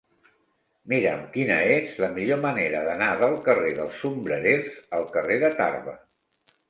Mira'm quina és la millor manera d'anar del carrer dels Sombrerers al carrer de Tarba.